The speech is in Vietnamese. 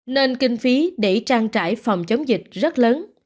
nên kinh phí để trang trải phòng chống dịch rất lớn